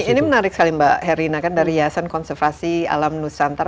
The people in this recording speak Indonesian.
ini menarik sekali mbak herina kan dari yayasan konservasi alam nusantara